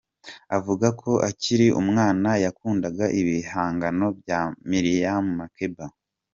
Avuga ko akiri umwana yakundaga ibihangano bya Myriam Makeba.